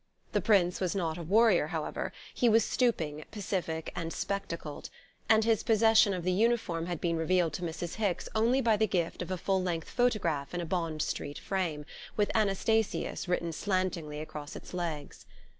The Prince was not a warrior, however; he was stooping, pacific and spectacled, and his possession of the uniform had been revealed to Mrs. Hicks only by the gift of a full length photograph in a Bond Street frame, with Anastasius written slantingly across its legs.